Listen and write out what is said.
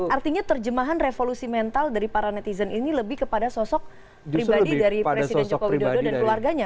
artinya terjemahan revolusi mental dari para netizen ini lebih kepada sosok pribadi dari presiden joko widodo dan keluarganya